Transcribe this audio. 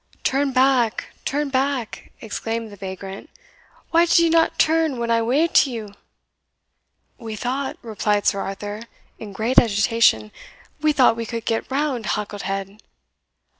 "Turn back! turn back!" exclaimed the vagrant; "why did ye not turn when I waved to you?" "We thought," replied Sir Arthur, in great agitation, "we thought we could get round Halket head."